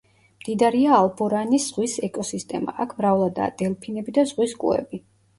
მდიდარია ალბორანის ზღვის ეკოსისტემა, აქ მრავლადაა დელფინები და ზღვის კუები.